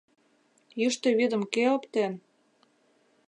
Йӱштӧ вӱдым кӧ оптен?